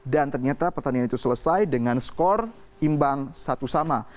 dan ternyata pertandingan itu selesai dengan skor imbang satu sama